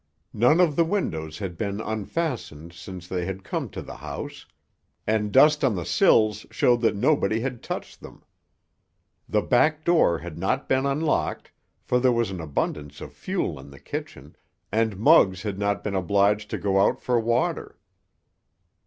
None of the windows had been unfastened since they had come to the house, and dust on the sills showed that nobody had touched them. The back door had not been unlocked, for there was an abundance of fuel in the kitchen, and Muggs had not been obliged to go out for water.